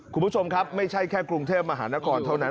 คุณผู้ชมครับไม่ใช่แค่กรุงเทพมหานครเท่านั้น